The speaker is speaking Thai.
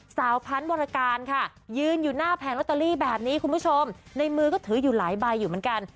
สาวพันธ์วรการค่ะยืนอยู่หน้าแผงลอตเตอรี่แบบนี้คุณผู้ชมในมือก็ถืออยู่หลายใบอยู่เหมือนกัน